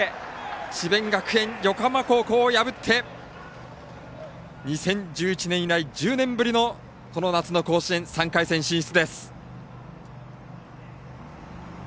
智弁学園、横浜高校を破って２０１１年以来１０年ぶりのこの夏の甲子園、３回戦進出です。